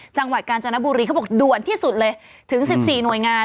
จังหวัดกาญจนบุรีเขาบอกด่วนที่สุดเลยถึง๑๔หน่วยงาน